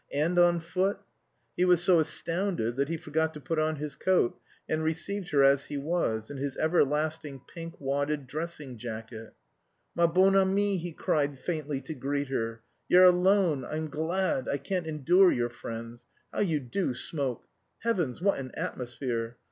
And on foot! He was so astounded that he forgot to put on his coat, and received her as he was, in his everlasting pink wadded dressing jacket. "Ma bonne amie!" he cried faintly, to greet her. "You're alone; I'm glad; I can't endure your friends. How you do smoke! Heavens, what an atmosphere!